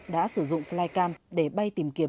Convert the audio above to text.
đã sử dụng flycam để bay tìm kiếm